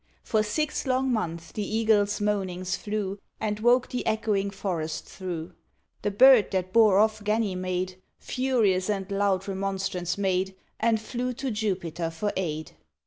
For six long months the Eagle's moanings flew, And woke the echoing forest through. The bird that bore off Ganymede, Furious and loud remonstrance made, And flew to Jupiter for aid.